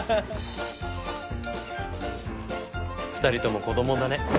２人とも子供だね。